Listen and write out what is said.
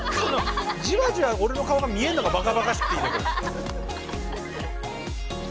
じわじわ俺の顔が見えるのがバカバカしくていいねこれ。